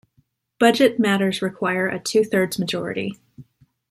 Budget matters require a two-thirds majority.